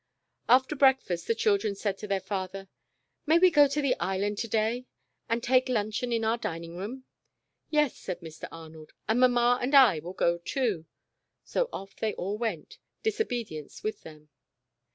After breakfast, the children said to their father :" May we not go to the Island to day, and take luncheon in our " dining room "? "Yes," said Mr. Arnold, "and Mamma and I will go, too." So off they all went. Disobedience with them.